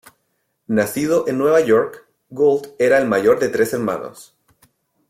Nacido en Nueva York, Gould era el mayor de tres hermanos.